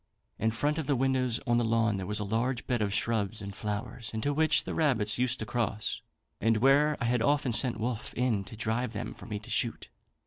In front of the windows on the lawn there was a large bed of shrubs and flowers, into which the rabbits used to cross, and where I had often sent Wolfe in to drive them for me to shoot.